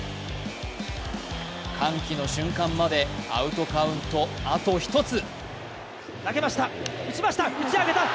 歓喜の瞬間までアウトカウント、あと１つ。